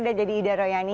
udah jadi ida royani